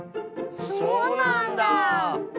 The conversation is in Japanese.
そうなんだ